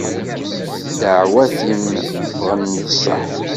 Ddeɛwat-im ffɣen d sseḥ.